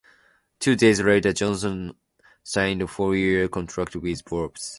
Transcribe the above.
Two days later, Johnson signed a four-year contract with Wolves.